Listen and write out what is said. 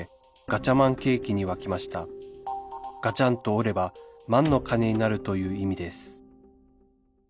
ガチャンと織れば万の金になるという意味です